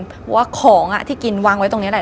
เพราะว่าของที่กินวางไว้ตรงนี้แหละ